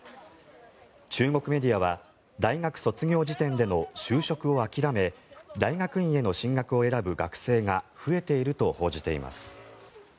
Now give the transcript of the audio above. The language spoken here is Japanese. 中国メディアは大学卒業時点での就職を諦め大学院への進学を選ぶ学生が増えていると報じています。